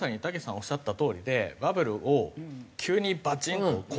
おっしゃったとおりでバブルを急にバチンと壊したわけですよ。